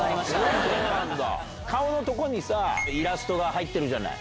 顔のとこにさイラストが入ってるじゃない。